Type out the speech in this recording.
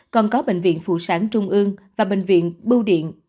còn có bệnh viện phụ sản trung ương và bệnh viện bưu điện